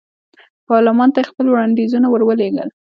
پارلمان ته یې خپل وړاندیزونه ور ولېږل.